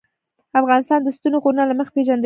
افغانستان د ستوني غرونه له مخې پېژندل کېږي.